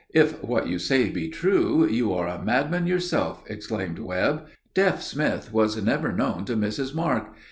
"If what you say be true, you are a madman yourself!" exclaimed Webb. "Deaf Smith was was never known to miss his mark.